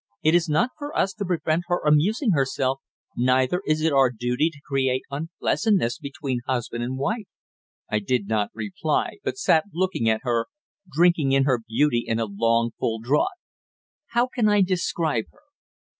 It is not for us to prevent her amusing herself, neither is it our duty to create unpleasantness between husband and wife." I did not reply, but sat looking at her, drinking in her beauty in a long, full draught. How can I describe her?